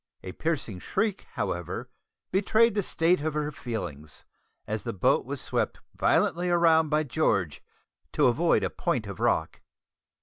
A piercing shriek, however, betrayed the state of her feelings as the boat was swept violently round by George to avoid a point of rock.